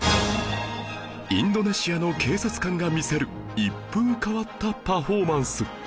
インドネシアの警察官が見せる一風変わったパフォーマンス